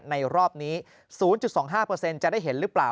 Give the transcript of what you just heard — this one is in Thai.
รอบนี้๐๒๕จะได้เห็นหรือเปล่า